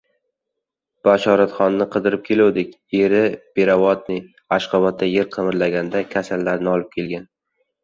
— Bashoratxonni qidirib keluvdik. Eri peravodniy, Ashxobodda yer qimirlaganda kasallarni olib kelgan.